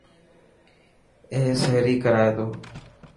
اي سهري ڪرائي تو.